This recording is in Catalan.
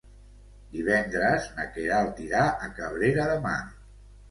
Divendres na Queralt irà a Cabrera de Mar.